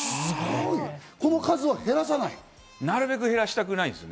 この数を減らさない？なるべく減らしたくないです。